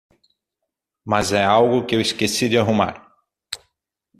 Mas é algo que eu esqueci de arrumar.